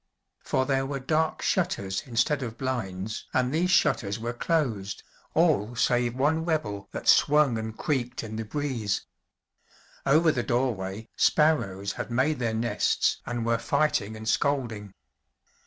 For there were dark shutters instead of blinds, and these shutters were closed, all save one rebel that swung and creaked in the breeze. Over the doorway, sparrows had made their nests and were fighting and scolding.